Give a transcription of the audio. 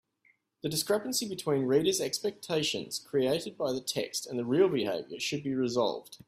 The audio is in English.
The discrepancy between reader’s expectations created by the text and the real behaviour should be resolved.